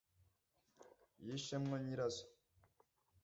Yishe mwo nyirazo